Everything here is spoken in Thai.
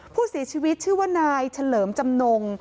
ผู้เสียชีวิตชื่อว่านายเฉลิมจำนง